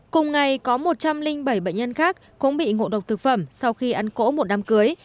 cùng ngày có một trăm linh bảy bệnh nhân khác cũng bị ngộ độc thực phẩm sau khi ăn cỗ một đám cưới